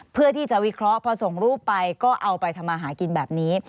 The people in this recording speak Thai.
เพื่อที่จะวิเคราะห์พอส่งรูปไปก็เอาไปทำมาหากินแบบนี้